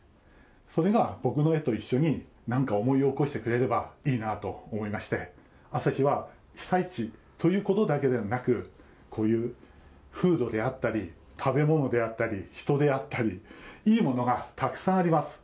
それが僕の絵と一緒に、なんか思い起こしてくれればいいなと思いまして、旭は被災地ということだけではなく、こういう風土であったり、食べ物であったり、人であったり、いいものがたくさんあります。